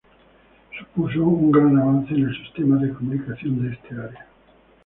Supuso un gran avance en el sistema de comunicaciones de esta área.